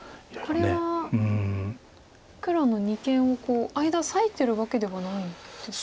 これは黒の二間を間裂いてるわけではないんですか？